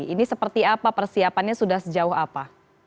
ini seperti apa persiapannya sudah sejauh apa